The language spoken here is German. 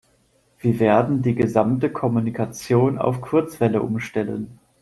Wir werden die gesamte Kommunikation auf Kurzwelle umstellen.